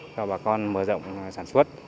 cho bà con mở rộng sản xuất